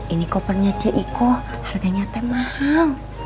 ini kopernya ceiko harganya te mahal